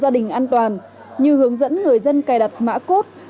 khai mô hình hộ gia đình an toàn như hướng dẫn người dân cài đặt mã cốt